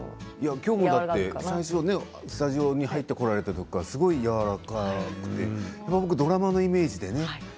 今日も最初スタジオに入って来られた時からすごくやわらかくてドラマのイメージでね。